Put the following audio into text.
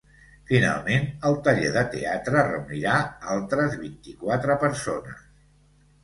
Finalment, el taller de teatre reunirà altres vint-i-quatre persones.